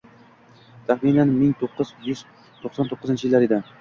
Taxminan ming to'qqiz yuz to'qson to'qqizinchi yillar edi.